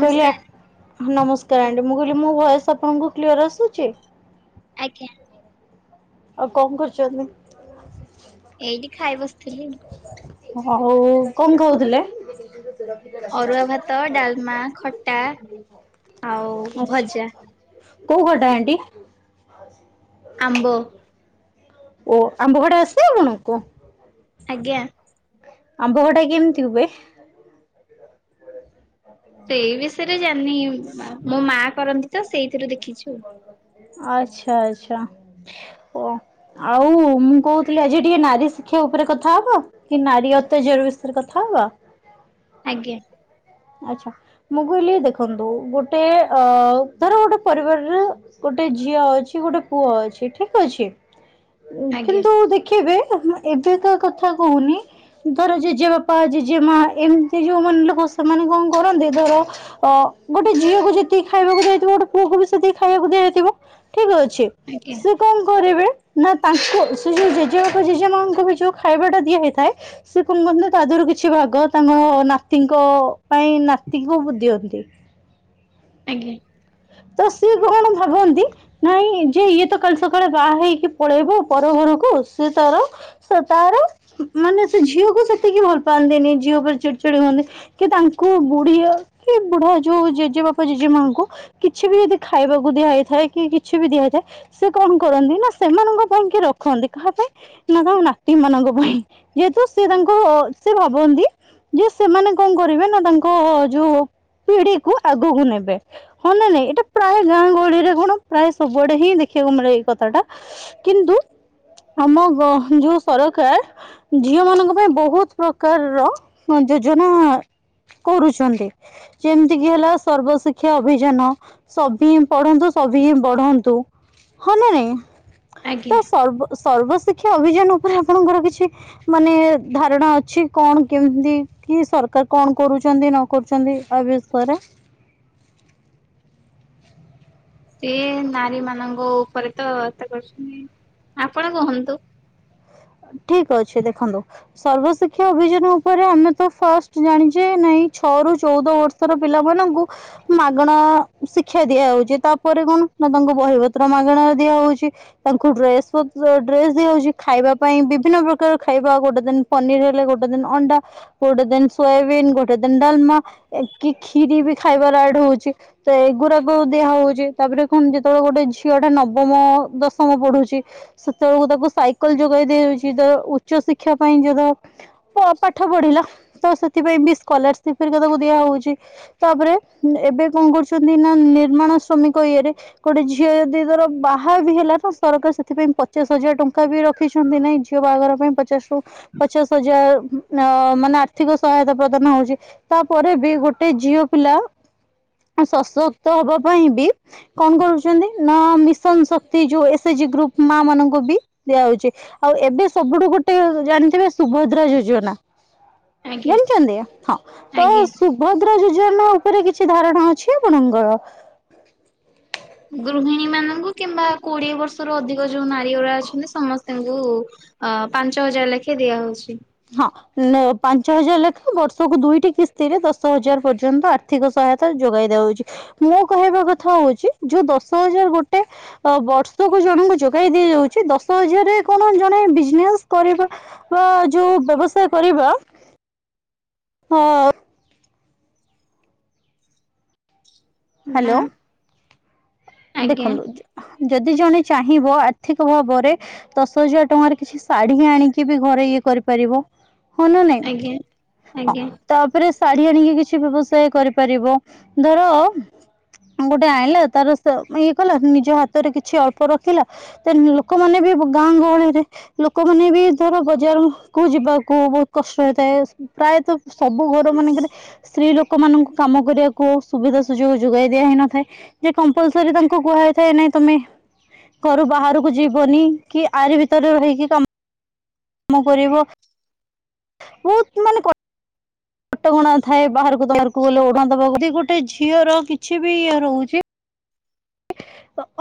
ନମସ୍କାର କହିଲି ନମସ୍କାର ଆଣ୍ଟି ମୁଁ କହିଲି ମୋ ଭଏସ୍‌ ଆପଣଙ୍କୁ କ୍ଲିଅର ଆସୁଛି। ଆଜ୍ଞା। ଆଉ କଣ କରୁଚନ୍ତି। ଏଇଠି ଖାଇ ବସିଥିଲି। ଆଉ କଣ ଖାଉଥିଲେ? ଅରୁଆ ଭାତ, ଡାଲମା, ଖଟା ଆଉ ଆଚ୍ଛା ଭଜା। କୋଉ ଖଟା ଆଣ୍ଟି? ଆମ୍ବ ଓ ଆମ୍ବ ଖଟା ଆସେ ଆପଣଙ୍କୁ? ଆଜ୍ଞା। ଆମ୍ବ ଖଟା କେମିତି ହୁଏ? ସେଇ ବିଷୟରେ ଜାଣିନି ମୋ ମା କରନ୍ତି ତ ସେଇଥିରୁ ଦେଖିଚି ଆଉ। ଆଚ୍ଛା ଆଚ୍ଛା ଓ ଆଉ ମୁଁ କୋହୁଥିଲି ଆଜି ଟିକେ ନାରୀ ଶିକ୍ଷା ଉପରେ କଥା ହବା। କି ନାରୀ ଅତ୍ୟାଚାର ବିଷୟରେ କଥା ହବା। ଆଜ୍ଞା। ଆଛା ମୁଁ କହିଲି ଦେଖନ୍ତୁ ଗୋଟେ ଅ ଧର ଗୋଟେ ପରିବାରରେ ଗୋଟେ ଝିଅ ଅଛି ଗୋଟେ ପୁଅ ଅଛି ଠିକ୍ ଅଛି ଆଜ୍ଞା କିନ୍ତୁ ଦେ ଖିବେ [unintelligible] ଏବେ କା କଥା କୋହୁନି। ଧର ଜେଜେ ବାପା ଜେଜେ ମା ଏମିତି ଯୋଉମାନେ ଲୋକ ସେମାନେ କଣ କରନ୍ତି। ଧର ଅ ଗୋଟେ ଝିଅକୁ ଯେତିକି ଖାଇବାକୁ ଦିଆହେଇଥିବ। ଗୋଟେ ପୁଅକୁ ବି ସେତିକି ଖାଇବାକୁ ଦିଆହେଇଥିବ ଠିକ୍ ଅଛି। ଆଜ୍ଞ। ସେ କଣ କରିବେ ନା ତାଙ୍କୁ ସେ ଯୋଉ ଜେଜେବା ଜେଜେ ମାଙ୍କୁ ବି ଯୋଉ ଖାଇବା ଟା ଦିଆହେଇଥାଏ। ସେ କୁଣ କହନ୍ତି ତା ଦେହରୁ କିଛି ଭାଗ ତାଙ୍କ ନାତିଙ୍କ ପାଇଁ ନାତିକୁ ଦିଅନ୍ତି। ଆଜ୍ଞା। ତ ସିଏ ବି କଣ ଭାବନ୍ତି। ନାଇଁ ଯେ ଇଏ ତ କାଲି ସକାଳେ ବାହା ହେଇକି ପଳେଇବ ପର ଘରକୁ ସେ ତାର ତାର ମାନେ ସେ ଝିଅକୁ ସେତିକି ଭଲ ପାଆନ୍ତିନି ଝିଅ ଉପରେ ଚିଡି ଚଡି ହୁଅନ୍ତି। କି ତାଙ୍କୁ ବୁଢୀ କି ବୁଢା ଯୋଉ ଜେଜେ ବାପା ଜେଜେ ମାଙ୍କୁ କିଛି ବି ଯଦି ଖାଇବାକୁ ଦିଆହେଇଥାଏ କି କିଛି ବି ଦିଆହେଇଥାଏ। ସେ କଣ କରନ୍ତି ନା ସେମାନଙ୍କ ପାଇଁ କି ରଖନ୍ତି। କାହା ପାଇଁ ନା ତାଙ୍କ ନାତି ମାନଙ୍କ ପାଇଁ ଯେହେତୁ ସେ ତାଙ୍କ ସେ ଭାବନ୍ତି ଯେ ସେମାନେ କଣ କରିବେ ନା ତାଙ୍କ ଯୋଉ ପିଢିକୁ ଆଗକୁ ନେବେ। ହଁ ନାଇଁ ନାଇଁ ଏଇଟା ପ୍ରାୟ ଗାଁ ଗହଳିରେ କଣ ପ୍ରାୟ ସବୁଆଡେ ହିଁ ଦେଖିବାକୁ ମିଳେ ଏଇ କଥା ଟା। କିନ୍ତୁ ଆମ ଗହ ଯୋଉ ସରକାର ଝିଅ ମାନଙ୍କ ପାଇଁ ବୋହୁତ ପ୍ରକାରର ଯୋଜନା କରୁଚନ୍ତି ଯେମିତିକି ହେଲା ସର୍ବଶିକ୍ଷା ଅଭି ଯାନ ସଭିଏଁ ପଢନ୍ତୁ ସଭିଏଁ ବଢନ୍ତୁ ହଁ ନା ନାଇଁ। ଆଜ୍ଞା ଏ ସର୍ବ-ସର୍ବଶିକ୍ଷା ଅଭିଯାନ ଉପରେ ଆପଣଙ୍କର କିଛି ମାନେ ଧାରଣା ଅଛି କଣ କେମିତି କି ସରକାର କଣ କରୁଚନ୍ତି ନ କରୁଚନ୍ତି ତା ବିଷୟରେ। ଏ ନାରୀ ମାନଙ୍କ ଉପରେ ତ ଏତେ କରୁଚନ୍ତି। ଆପଣ କୁହନ୍ତୁ। ଠିକ୍ ଅଛି ଦେଖନ୍ତୁ। ସର୍ବଶିକ୍ଷା ଅଭିଯାନ ଉପରେ ଆମେ ତ ଫାଷ୍ଟ ଜାଣିଚେ ନାଇଁ ଛଅ ରୁ ଚୋଉଦ ବ ର୍ଷର ପିଲାମାନଙ୍କୁ ମାଗଣା ଶିକ୍ଷା ଦିଆ ହୋଉଚି, ତାପରେ କଣ ନା ତାଙ୍କୁ ବହିପତ୍ର ମାଗଣାରେ ଦିଆହୋଉଚି। ତାଙ୍କୁ ଡ୍ରେସ୍ ପତ ଡ୍ରେସ୍ ଦିଆ ହୋଉଚି ଖାଇବା ପାଇଁ ବିଭିନ୍ନ ପ୍ରକାର ଖାଇବା ଗୋଟେ ଦିନ୍ ପନିର ହେଲେ ଗୋଟେ ଦିନ୍ ଅଣ୍ଡା। ଗୋଟେ ଦିନ୍ ସୋୟାବିନ୍ ଗୋଟେ ଦିନ୍ ଡାଲମା ଏ କି ଖିରି ବି ଖାଇବାରେ ଆଡ ହୋଉଚି। ତ ଏଗୁୁରାକୁ ଦିଆ ହୋଉଚି, ତାପରେ କଣ ଯେତେବେଳେ ଗୋଟେ ଝିଅଟା ନବମ, ଦଶମ ପଢୁଚି। ସେତେବେଳକୁ ତାକୁ ସାଇକେଲ ଯୋଗେଇ ଦିଆଯାଉଚି ତ ଉଚ୍ଚ ଶିକ୍ଷା ପାଇଁ [unintelligible] ର ପାଠ ପଢିଲା ତ ସେଥିପାଇଁ ବି ସ୍କଲାରସିପ୍ ହେରିକା ତାକୁ ଦିଆହଉଛି ତାପରେ ଏବେ କଣ କରୁଛନ୍ତି ନା ନିର୍ମାଣ ଶ୍ରମିକ ଇଏରେ ଗୋଟେ ଝିଅ ଯଦି ତାର ବାହା ବି ହେଲା ତ ସରକାର ସେଥିପାଇଁ ପଚାଶ ହଜାର ଟଙ୍କା ବି ରଖ ରଖିଛନ୍ତି ନାଁ ଝିଅ ବାହାଘର ପାଇଁ ପଚାଶ ରୁ ପଚାଶ ହଜାର ଅ ମାନେ ଆର୍ଥିକ ସହାୟତା ପ୍ରଦାନ ହଉଛି ତାପରେ ବି ଗୋଟେ ଝିଅ ପିଲା ସଶକ୍ତ ହବା ପାଇଁ ବି କଣ କରୁଛନ୍ତି ନା ମିଶନ ଶକ୍ତି ଯୋଉ ଏସ ଏଜି ଗ୍ରୁପ ମା ମାନଙ୍କୁ ବି ଦିଆ ହଉଛି ଆଉ ଏବେ ସବୁଠୁ ଗୋଟେ ଜାଣିଥିବେ ସୁଭଦ୍ରା ଯୋଜନା ଆଜ୍ଞା ଜାଣିଛନ୍ତି ନା ହଁ ତ ଆଜ୍ଞା ସୁବ ଭଦ୍ରା ଯୋଜନା ଉପରେ କିଛି ଧାରଣା ଅଛି ଆପଣଙ୍କର ଗୃହିଣୀ ମାନଙ୍କୁ କିମ୍ବା କୋଡିଏ ବର୍ଷରୁ ଅଧିକ ଯୋଉ ନାରୀଗୁଡା ଅଛନ୍ତି ସମସ୍ତଙ୍କୁ ଅ ପାଞ୍ଚ ହଜାର ଲେଖେ ଦିଆହଉଛି ହଁ ନଁ ପାଞ୍ଚ ହଜାର ଲେଖାଁ ବର୍ଷକୁ ଦୁଇଟି କିସ୍ତି ରେ ଦଶ ହଜାର ପର୍ଯ୍ୟନ୍ତ ଆର୍ଥିକ ସହାୟତା ଯୋଗାଇ ଦିଆହଉଛି ମୁଁ କହିବା କଥା ହଉଛି ଯୋଉ ଦଶହଜାର ଗୋଟେ ଅ ବର୍ଷକୁ ଜଣଙ୍କୁ ଯୋଗାଇ ଦିଆଯାଉଛି ଦଶ ହଜାରରେ କଣ ଜଣେ ବିଜନେସ କରିବ ବା ଯୋଉ ବ୍ୟବସାୟ କରିବ ହଁ ନାଁ ହ୍ୟାଲୋ ଦେଖନ୍ତୁ ଯଦି ଜଣେ ଚାହିଁବ ଆର୍ଥିକ ଭାବରେ ଦଶ ହଜାର ଟଙ୍କାରେ କିଛି ଶାଢୀ ଆଣିକି ବି ଘରେ ଇଏ କରିପାରିବ ହଁ ନା ନାଇଁ ଆଜ୍ଞା ହଁ ଆଜ୍ଞା ତାପରେ ଶାଢ଼ୀ ଆଣିକି କିଛି ବ୍ୟବସାୟ କରିପାରିବ ଧର ଗୋଟେ ଆଣିଲା ତାର ସ ଇଏ କଲା ନିଜ ହାତରେ କିଛି ଅଳ୍ପ ରଖିଲା ତ ଲୋକମାନେ ବି ଗାଁ ଗହଳିରେ ଲୋକମାନେ ବି ଧର ବଜାରକୁ ଯିବାକୁ ବହୁତ କଷ୍ଟ ହେଇଥାଏ ପ୍ରାୟତଃ ସବୁ ଘର ମାନଙ୍କରେ ସ୍ତ୍ରୀ ଲୋକ ଲୋକ ମାନଙ୍କୁ କାମ କରିବାକୁ ସୁବିଧା ସୁଯୋଗ ଯୋଗାଇ ଦିଆ ହେଇନଥାଏ ଯେ କ ପଲସରି ତାଙ୍କୁ କୁହାଯାଇଥାଏ ନାଇଁ ତମେ ଘରୁ ବାହାରକୁ ଯିବନି କି ଆରି ଭିତରେ ରହିକି କାମ କାମ କରିବ ବହୁତ ମାନେ କଟ କଣା ଥାଏ ବାହାରକୁ ତ ବାହାରକୁ ଗଲେ ଓଢଣା ଦେବାକୁ ପଡେ ଯଦି ଗୋଟେ ଝିଅର କିଛି ବି ଇଏ ରହୁଛି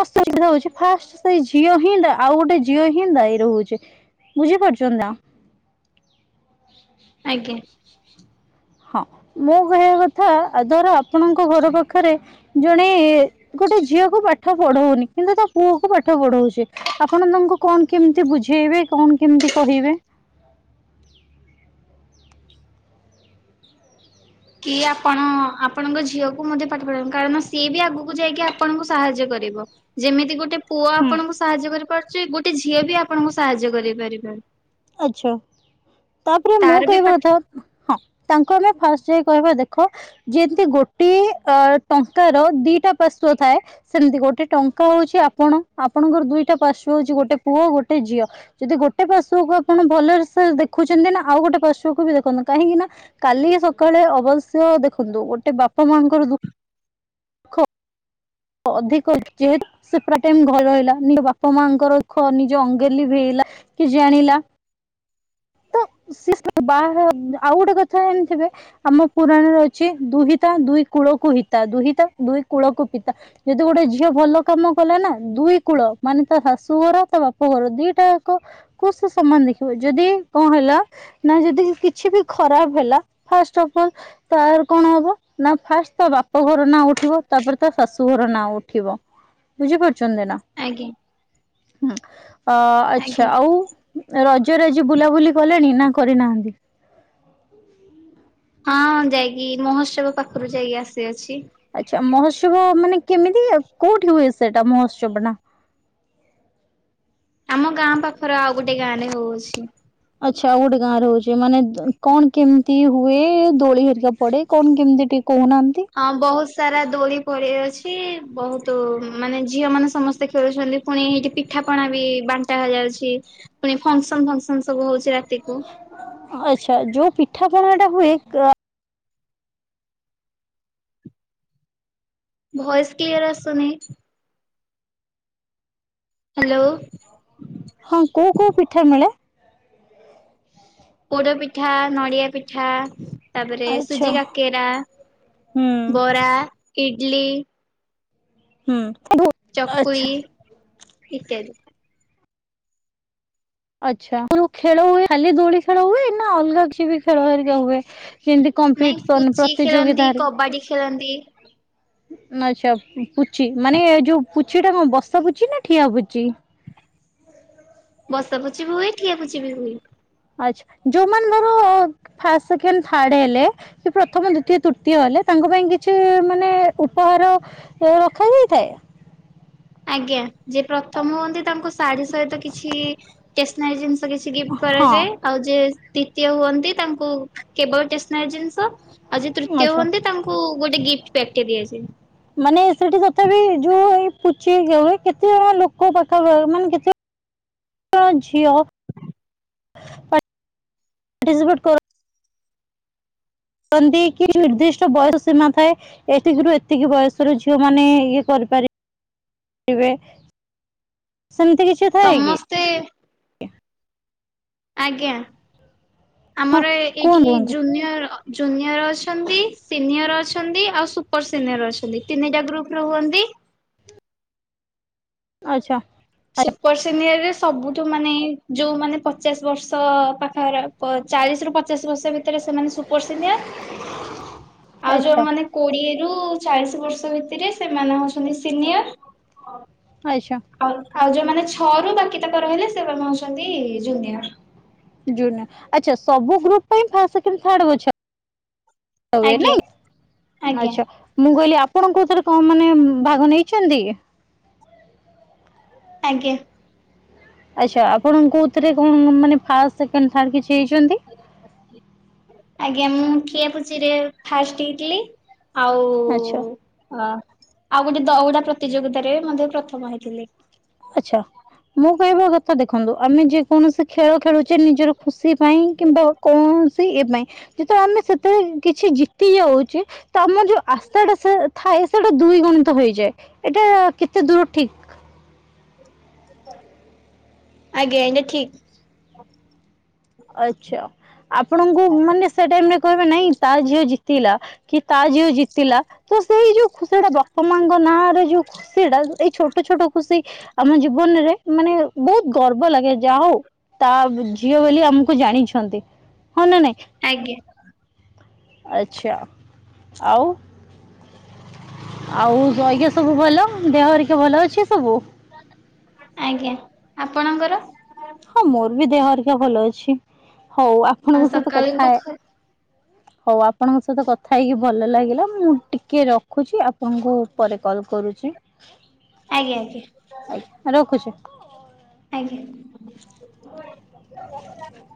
ଅସୁବିଧା ହଉଛି ଫାଷ୍ଟ ସେଇ ଝିଅ ହିଁ ଆଉ ଗୋଟେ ଝିଅ ହିଁ ଦାୟୀ ରହୁଛି ବୁଝିପାରୁଛନ୍ତି ନା ଆଜ୍ଞା ହଁ ମୋ କହିବା କଥା ଧର ଆପଣଙ୍କ ଘର ପାଖରେ ଜଣେ ଗୋଟେ ଝିଅ କୁ ପାଠ ପଢଉନି କିନ୍ତୁ ତା ପୁଅ କୁ ପାଠ ପଢଉଛି ଆପଣ ତାଙ୍କୁ କଣ କେମିତି ବୁଝେଇବେ କଣ କେମିତି କହିବେ କି ଆପଣ ଆପଣଙ୍କ ଝିଅକୁ ମଧ୍ୟ ପାଠ ପଢାନ୍ତୁ କାରଣ ସିଏବି ଆଗକୁ ଯାଇକି ଆପଣଙ୍କୁ ସାହାଯ୍ୟ କରିବ ଯେମିତି ଗୋଟେ ପୁଅ ହୁଁ ଆପଣଙ୍କୁ ସାହାଯ୍ୟ କରିପାରୁଛି ଗୋଟେ ଝିଅ ବି ଆପଣଙ୍କୁ ସାହାଯ୍ୟ କରିପାରିବ ଆଚ୍ଛା ତାପରେ ମୁଁ ତାର ବି କହିବା ପାଠ କଥା ହଁ ତାଙ୍କୁ ଆମେ ଫାଷ୍ଟ ଯାଇ କହିବା ଦେଖ ଯେମିତି ଗୋଟେ ଅ ଟଙ୍କାର ଦିଟା ପାଶ୍ୱ ଥାଏ ସେମିତି ଗୋଟେ ଟଙ୍କା ହଉଛି ଆପଣ ଆପଣଙ୍କର ଦିଇଟା ପାର୍ଶ୍ୱ ହଉଛି ଗୋଟେ ପୁଅ ଗୋଟେ ଝିଅ ଯଦି ଗୋଟେ ପାଶ୍ୱ କୁ ଆପଣ ଭଲରେ ସେ ଦେଖୁଛନ୍ତି ନା ଆଉ ଗୋଟେ ପାଶ୍ୱ କୁ ବି ଦେଖନ୍ତୁ କାହିଁକି ନା କାଲି ସକାଳେ ଅବଶ୍ୟ ଦେଖନ୍ତୁ ଗୋଟେ ବାପା ମାଆଙ୍କର ଦୁଃଖ ଅଧିକ ଯେହେତୁ ସେ ପୁରା ଟାଇମ ଘରେ ରହିଲା ନିଜ ବାପା ମାଙ୍କର ଦୁଃଖ ନିଜେ ଅଙ୍ଗେ ଲିଭେଇଲା କି ଜାଣିଲା ସେ ବାହା ଆଉ ଗୋଟେ କଥା ଜାଣିଥିବେ ଆମ ପୁରାଣ ରେ ଅଛି ଦୁହିତା ଦୁଇ କୂଳକୁ ହିିତା ଦୁହିତା ଦୁଇ କୂଳକୁ ପିତା ଯଦି ଗୋଟେ ଝିଅ ଭଲ କାମ କଲା ନା ଦୁଇ କୂଳ ମାନେ ତା ଶାଶୁ ଘର ତା ବାପ ଘର ଦିଟାକ କୁ ସମାନ ଦେଖିବ। ଯଦି [unintelligible] ନା ଯଦି କିଛି ବି ଖରାପ ହେଲା ଫାଷ୍ଟ ଅଫ ଅଲ ତର କଣ ହବ ନା ଫାଷ୍ଟ ତା ବାପ ଘର ନାଁ ଉଠିବ ତାପରେ ତା ଶାଶୁ ଘର ନାଁ ଉଠିବ। ବୁଝିପରୁଛନ୍ତି ନା? ଆଜ୍ଞା ଅ ଆଚ୍ଛା ଆଜ୍ଞା ଆଉ ରଜରେ ଯା ବୁଲାବୁଲି କଲେଣି ନା କରିନାହାନ୍ତି? ହଁ ଯାଇକି ମହୋତ୍ସବ ପାଖରୁ ଯାଇକି ଆସିଅଛି। ଆଚ୍ଛା ମହୋତ୍ସବ ମାନେ କେମିତି କୋଉଠି ହୁଏ ସେଟା ମହୋତ୍ସବ ଟା। ଆମ ଗାଁ ପାଖରେ ଆଉ ଗୋଟେ ଗାଁ ରେ ହଉଛି। ଆଚ୍ଛା ଆଉ ଗୋଟେ ଗାଁ ରହୁଛେ ମାନେ କଣ କେମିତି ହୁଏ ଦୋଳି ହେରିକା ପଡେ କଣ କେମିତି ଟିକେ କହୁନାହାନ୍ତି? ଆ ବହୁତ ସାରା ଦୋଳି ପଡି ଅଛି ବହୁତ ମାନେ ଝିଅ ମାନେ ସମସ୍ତେ ଖେଳୁଛନ୍ତି। ପୁଣି ଏଇଠି ପିଠାପଣା ବି ବାଣ୍ଟା ଯାଉଛି ପୁଣି ଫଙ୍କସନ ଫଙ୍କସନ ସବୁ ହଉଛି ରାତିକୁ। ଆଚ୍ଛା ଯୋଉ ପିଠାପଣା ଟା ହୁଏ ଭଏସ କ୍ଲିୟର ଆସୁନି। ହ୍ୟାଲୋ ହଁ କୋଉ କୋଉ ପିଠା ମିଳେ? ପୋଡ଼ ପିଠା, ନଡ଼ିଆ ପିଠା, ତାପରେ ଆଚ୍ଛା ସୁଜି କାକେରା, ହୁଁ ବରା, ଇଡଲି ହୁଁ [unintelligible] ଚକୁଳି ଆଚ୍ଛା। ଇତ୍ୟାଦି। ଆ୍ଛା ଖେଳ ହୁଏ ଖାଲି ଦୋଳି ଖେଳ ହୁଏ ନା ଅଲଗା କିଛି ବି ଖେଳ ହେରିକା ହୁଏ। ନାଇଁ କମ୍ପିଟିସନ ପୁଚି ଖେଳନ୍ତି ପ୍ରତିଯୋଗତା ରେ କବାଡି ଖେଳନ୍ତି ଆଚ୍ଛା ପୁଛି ମାନେ ଯୋଉ ପୁଛି ଟା ବସା ପୁଚଛି ନା ଠିଆ ପୁଚି? ବସାପୁଚି ବି ହୁଏ ଠିଆପୁଚି ବି ହୁଏ। ଆଚ୍ଛା ଯୋଉମାନେ ଧର ଫାଷ୍ଟ ସେକେଣ୍ଡ ଥାର୍ଡ ହେଲେ ସେ ପ୍ରଥମ ଦ୍ଵିତୀୟ ତୃତୀୟ ହେଲେ ତାଙ୍କ ପାଇଁ କିଛି ମାନେ ଉପହାର ରଖା ଯାଇଇଥଏ? ଆଜ୍ଞା, ଯେ ପ୍ରଥମ ହୁଅନ୍ତି ତାଙ୍କୁ ଶାଢ଼ୀ ସହିତ କିଛି ଟେସନାରୀ ଜିନିସ କିଛି ଗିଫ୍ଟ ହଁ। କରାଯାଏ। ଆଉ ଯି ଦ୍ଵିତୀୟ ହୁଅନ୍ତି ତାଙ୍କୁ କେବଳେ ଟେସନାରୀ ଜିନିଷ, ଆଉ ଯେ ତୃତୀୟ ଆଚ୍ଛା। ହୁଅନ୍ତି ତାଙ୍କୁ ଗୋଟେ ଗିଫ୍ଟ ପ୍ୟାକେଟ୍ ଦିଆହେଇଛି। ମାନେ ସେଠି ତଥାପି ଯୋଉ ଏଇ ପୁଚି ହେଉ କେତେ ଜଣ ଲୋକ ପାଖା ମାନେ କେତେ [unintelligible] ଝିଅ ପଟିସିପେଟ କର କି ନିର୍ଦ୍ଦିଷ୍ଟ ବୟସ ସୀମା ଥାଏ। ଏତିକିରୁ ଏତିକି ବୟସ ର ଝିଅ ମାନେ ଇଏ କରିପାରିବେ। ସେମିତି କିଛି [unintelligible] ସମସ୍ ଆଜ୍ଞା ଆମର ଏଇଠି କୁହନ୍ତୁ କୁହନ୍ତୁ ଜୁନିୟର ଜୁନିୟର ଅଛନ୍ତି ସିନିୟର ଅଛନ୍ତି ଆଉ ସୁପର ସିନିୟର ଅଛନ୍ତି ତିନିଟା ଗ୍ରୁପରେ ହୁଅନ୍ତି। ଆଛା ସୁପର ସିନିୟରରେ ସବୁଠୁ ମାନେ ଯୋଉ ମାନେ ପଚାଶ ବର୍ଷ ପାଖ ହେଲାଣି ଚାଳିଶ ରୁ ପଚାଶ ବର୍ଷ ଭିତ ତେରେ ସେମାନେ ସୁପରସିନିୟର, ଆଚ୍ଛା ଆଉ ଯୋଉ ଆଚ୍ଛା ମାନେ କୋଡିଏ ରୁ ଚାଳିଶ ବର୍ଷ ଭିତରେ ସେମାନେ ହଉଛନ୍ତି ସିନିୟର। ଆଚ୍ଛା। ଆଉ ଆଉ ଯୋଉମାନେ ଛଅ ରୁ ବାକି ତାଙ୍କ ରହିଲେ ସେମାନେ ହଉଛନ୍ତି ଜୁନିଅର। ଜୁନିୟର ଆଚ୍ଛା ସବୁ ଗ୍ରୁପ୍ ପାଇଁ ଫାର୍ଷ୍ଟ ସେକେଣ୍ଡ ଥାର୍ଡ ହଉଛା। ଆଉ ଆଜ୍ଞା ନାଇଁ ଆଜ୍ଞା ଆଚ୍ଛା ମୁଁ କହିଲି ଆପ ଆପଣ କୋଉଥିରେ କଣ ମାନେ ଭାଗ ନେଇଛନ୍ତି? ଆଜ୍ଞା। ଆଚ୍ଛା ଆପଣ କୋଉଥିରେ କଣ ମାନେ ଫାଷ୍ଟ ସେକଣ୍ଡ ଥାର୍ଡ କିଛି ହେଇଛନ୍ତି? ଆଜ୍ଞା ମୁଁ ଠିଆପୁଚିରେ ଫାଷ୍ଟ ହେଇଥିଲି। ଆଉ ଆଚ୍ଛା ଅ ଆଉ ଗୋଟେ ଦଉଡା ପ୍ରତିଯୋଗିତାରେରେ ମଧ୍ୟ ପ୍ରଥମ ହେଇଥିଲି। ଆଚ୍ଛା। ମୁଁ କହେ ମୋ କଥା ଦେଖନ୍ତୁ ଆମେ ଯେକୌଣସି ଖେଳ ଖେଳୁଛେ ନିଜର ଖୁସି ପାଇଁ କିମ୍ବା କୌଣସି ଏ ପାଇଁ ଯେତେବେଳେ ଆମେ ସେତେବେଳେ କିଛି ଜିତି ଯାଉଛେ ତ ଆମର ଯୋଉ ଆଶାଟା ସେ ଥାଏ ସେଟା ଦୁଇ ଗୁଣିତ ହେଇଯାଏ ଏଇଟା କେତେ ଦୂର ଠିକ୍? ଆଜ୍ଞା ଆଜ୍ଞା ଠିକ୍। ଆଚ୍ଛା ଆପଣଙ୍କୁ ମାନେ ସେ ଟାଇମ୍ ରେ କହିବା ନାଇଁ ତା ଝିଅ ଜି ଥିଲା କି ତା ଝିଅ ଜିତିଲା ତ ସେଇ ଯୋଉ ଖୁସିଟା ବାପା ମାଙ୍କ ନାଁ ରେ ଯୋଉ ଖୁସିଟା ଏଇ ଛୋଟ ଛୋଟ ଖୁସି ଆମ ଜୀବନରେ ମାନେ ବହୁତ ଗର୍ବ ଲାଗେ ଯାହା ହଉ ତା ଝିଅ ବୋଲି ଆମକୁ ଜାଣିଛନ୍ତି ହଁ ନା ନାଇଁ? ଆଜ୍ଞା। ଆଚ୍ଛା ଆଉ। ଆଉ ଜଇକା ସବୁ ଭଲ ଦେହ ହେରିକା ଭଲ ଅଛି ସବୁ? ଆଜ୍ଞା ଆପଣଙ୍କର ହଁ ମୋର ବି ଦେହ ହରିକା ଭଲ ଅଛି, ହଉ ଆଉ ଆପଣଙ୍କ ସହିତ ସକାଳୁ କଥା ହେ କଣ ହଉ ଆପଣଙ୍କ ସହିତ କଥା ହେଇକି ଭଲ ଲାଗିଲା ମୁଁ ଟିକେ ରଖୁଚି ଆପଣଙ୍କୁ ପରେ କଲ୍ କରୁଛି। ଆଜ୍ଞା ଆଜ୍ଞା। ଆଜ୍ଞା ରଖୁଛି। ଆଜ୍ଞା। [unintelligible]